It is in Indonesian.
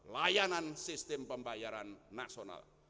layanan sistem pembayaran nasional